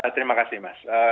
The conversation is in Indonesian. terima kasih mas